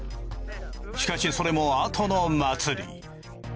しかしそれも後の祭り。